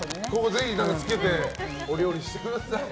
ぜひ、つけてお料理してください。